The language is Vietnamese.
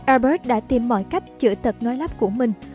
airbus đã tìm mọi cách chữa tật nói lắp của mình